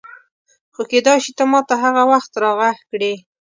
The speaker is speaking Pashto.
خو کېدای شي ته ما ته هغه وخت راغږ کړې.